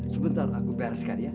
sebentar aku bereskan ya